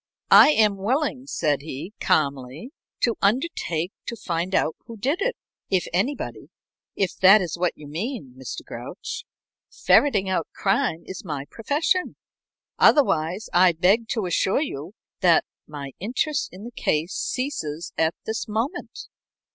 "I am willing," said he, calmly, "to undertake to find out who did it, if anybody, if that is what you mean, Mr. Grouch. Ferreting out crime is my profession. Otherwise, I beg to assure you that my interest in the case ceases at this moment."